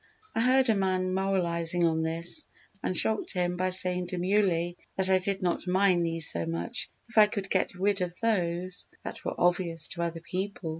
_ I heard a man moralising on this and shocked him by saying demurely that I did not mind these so much_, if I could get rid of those that were obvious to other people."